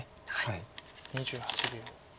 ２８秒。